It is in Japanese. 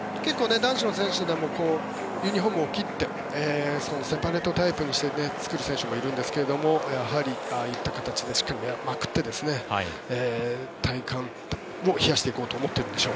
男子の選手でもユニホームを切ってセパレートタイプにして作る人もいるんですがやはりああいった形でしっかりまくって体感を冷やしていこうと思っているんでしょう。